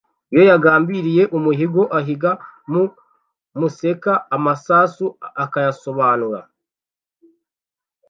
Iyo yagambiliye umuhigo, ahiga mu musekeamasasu akayasobanura